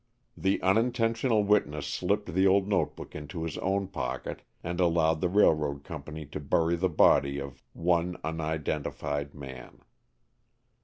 The unintentional witness slipped the old note book into his own pocket and allowed the railroad company to bury the body of "One unidentified man."